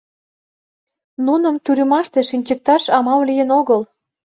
Нуным тюрьмаште шинчыкташ амал лийын огыл.